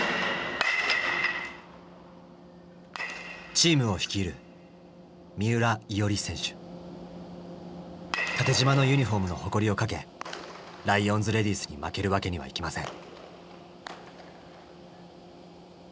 チームを率いる縦じまのユニフォームの誇りをかけライオンズ・レディースに負けるわけにはいきません。